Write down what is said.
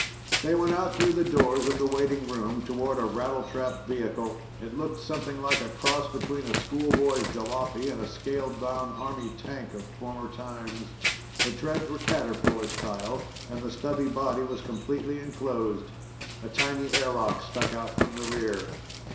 They went out through the doors of the waiting room toward a rattletrap vehicle. It looked something like a cross between a schoolboy's jalopy and a scaled down army tank of former times. The treads were caterpillar style, and the stubby body was completely enclosed. A tiny airlock stuck out from the rear.